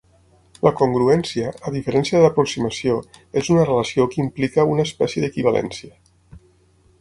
La congruència, a diferència de l'aproximació, és una relació que implica una espècie d'equivalència.